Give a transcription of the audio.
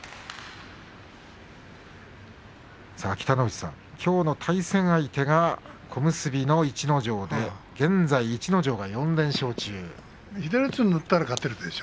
北の富士さん、きょうの対戦相手が小結の逸ノ城で現在逸ノ城が４連勝中。